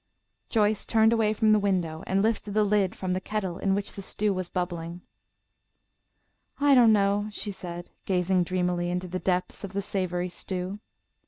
Joyce turned away from the window and lifted the lid from the kettle in which the stew was bubbling. "I don't know," she said, gazing dreamily into the depths of the savoury stew.